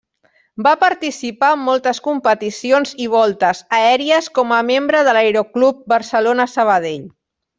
Va participar en moltes competicions i voltes Aèries com a membre de l’Aeroclub Barcelona-Sabadell.